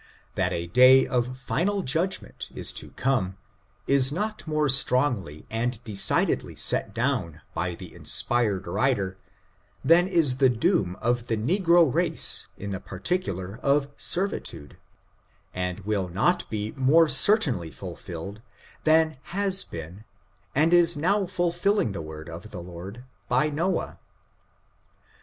That a day of final judgment is to come, is not more strongly and decidedly set down by the inspired writer than is the doom of the negro race in the particular of servitude, and will not be more certainly fulfilled than has been and is now ful filling the word of the Lord by Noah.